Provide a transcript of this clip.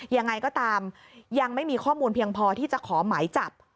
ยังไงก็ตามยังไม่มีข้อมูลเพียงพอที่จะขอหมายจับ